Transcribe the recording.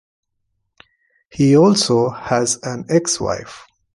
He also has an ex-wife.